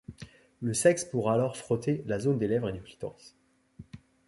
Le sexe pourra alors frotter la zone des lèvres et du clitoris.